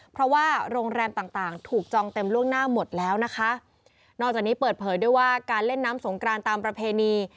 เพราะว่าโรงแรมต่างต่างถูกจองเต็มล่วงหน้าหมดแล้วนะคะนอกจากนี้เปิดเผยด้วยว่าการเล่นน้ำสงกรานตามประเพณี